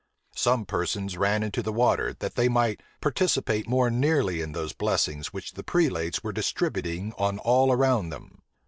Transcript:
Some persons ran into the water, that they might participate more nearly in those blessings which the prelates were distributing on all around them.